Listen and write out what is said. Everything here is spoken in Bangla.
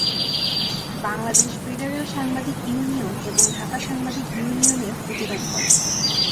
বাংলাদেশ ফেডারেল সাংবাদিক ইউনিয়ন এবং ঢাকা সাংবাদিক ইউনিয়ন এর প্রতিবাদ করে।